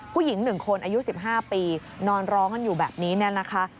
ผู้หญิง๑คนอายุ๑๕ปีนอนร้องกันอยู่แบบนี้เนี่ยนะคะ